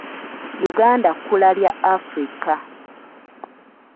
Uganda kkula lya Africa.